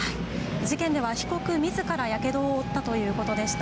事件では被告みずからがやけどを負ったということでした。